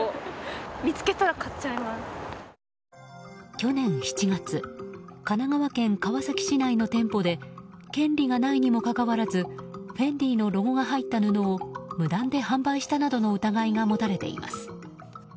去年７月神奈川県川崎市内の店舗で権利がないにもかかわらずＦＥＮＤＩのロゴが入った布を無断で販売したなどの疑いが持たれています。